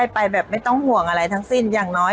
ก็เป็นสถานที่ตั้งมาเพลงกุศลศพให้กับน้องหยอดนะคะ